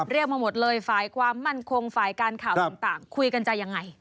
มาหมดเลยฝ่ายความมั่นคงฝ่ายการข่าวต่างคุยกันจะยังไง